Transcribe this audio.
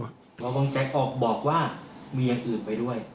พอบังแจ๊กออกบอกว่ามีอย่างอื่นไปด้วย